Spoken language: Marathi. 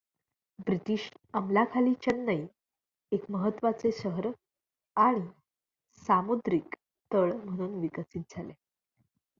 ब्रिटिश अंमलाखाली चेन्नई एक महत्वाचे शहर आणि सामुद्रिक तळ म्हणून विकसित झाले.